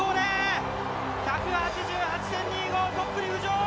１８８．２５、トップに浮上！